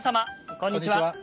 こんにちは。